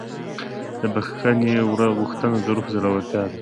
د بښنې غوښتنه د روح زړورتیا ده.